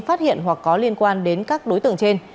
phát hiện hoặc có liên quan đến các đối tượng trên